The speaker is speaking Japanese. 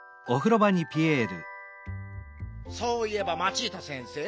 そういえばマチータ先生